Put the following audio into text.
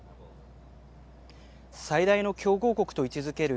最大の競合国と位置づける